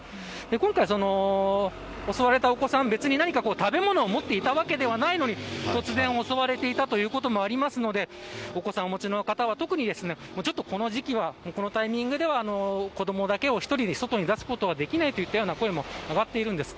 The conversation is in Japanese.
今回、襲われたお子さん別に食べ物を持っていたわけではないのに突然、襲われたということもありますのでお子さんをお持ちの方は特にこのタイミングでは子どもだけを１人で外に出すことはできないという声も上がっているんです。